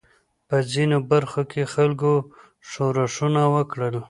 په ځینو برخو کې خلکو ښورښونه وکړل.